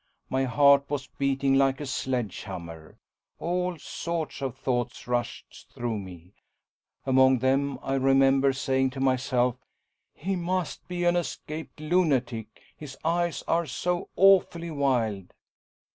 My heart was beating like a sledge hammer. All sorts of thoughts rushed through me; among them I remember saying to myself: "He must be an escaped lunatic his eyes are so awfully wild".